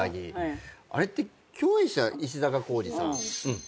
あれって共演者石坂浩二さん。